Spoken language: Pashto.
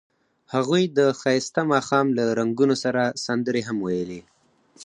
هغوی د ښایسته ماښام له رنګونو سره سندرې هم ویلې.